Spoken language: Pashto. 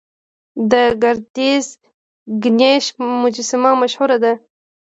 د ګردیز ګنیش مجسمه مشهوره ده